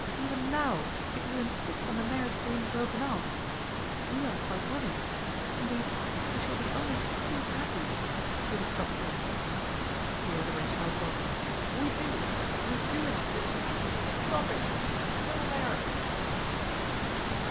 "Even now, if you insist on the marriage being broken off, we are quite willing indeed we shall be only too happy to put a stop to it." Here there were shouts of "We do! We do insist! Stop it! No marriage!"